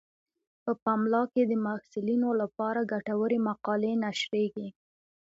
په پملا کې د محصلینو لپاره ګټورې مقالې نشریږي.